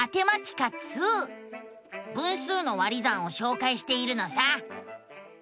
分数の「割り算」をしょうかいしているのさ。